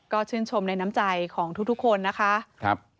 ก็ชื่นชมในน้ำใจของทุกคนนะคะ